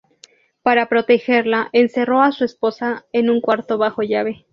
Para protegerla, encerró a su esposa en un cuarto bajo llave.